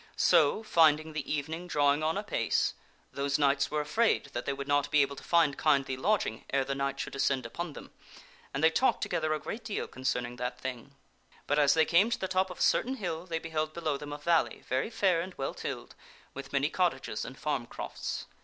So, finding the evening draw ing on apace, those knights were afraid that they would not be able to , 44 THE STORY OF SIR PELLIAS find kindly lodging ere the night should descend upon them, and they talked together a great deal concerning that thing. But as they came to the top of a certain hill, they beheld below them a valley, very fair and well tilled, with many cottages and farm crofts.